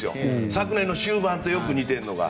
昨年の終盤とよく似ているのが。